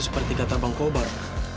seperti kata bang kobar